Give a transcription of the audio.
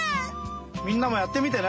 みんなもやってみてね！